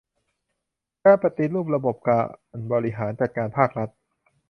การปฏิรูประบบการบริหารจัดการภาครัฐ